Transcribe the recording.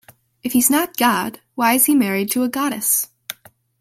If he's not God, why is he married to a goddess?